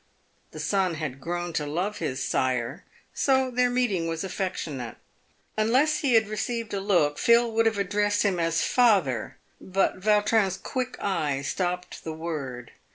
The son had grown to love his sire, so their meeting was affectionate. Unless he had received a look, Phil would have addressed him as " Father," but Vautrin's quick eye stopped the word.